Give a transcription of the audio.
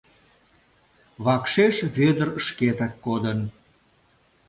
Вакшеш Вӧдыр шкетак кодын.